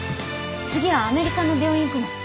次はアメリカの病院に行くの？